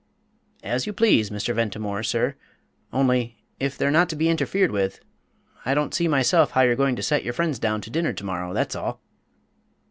"As you please, Mr. Ventimore, sir; only, if they're not to be interfered with, I don't see myself how you're going to set your friends down to dinner to morrow, that's all."